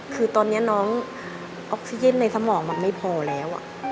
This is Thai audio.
คือตอนนี้น้องออกซิเจนในสมองมันไม่พอแล้ว